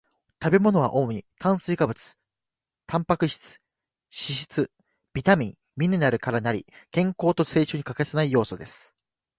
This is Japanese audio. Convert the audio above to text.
食物は主に炭水化物、タンパク質、脂肪、ビタミン、ミネラルから成り、健康と成長に欠かせない要素です